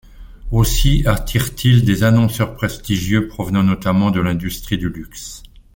Aussi attirent-ils des annonceurs prestigieux provenant notamment de l'industrie du luxe.